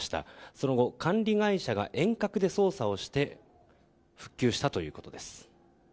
その後、管理会社が遠隔で操作をして復旧したということです。